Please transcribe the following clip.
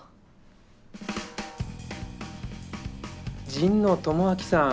神野智明さん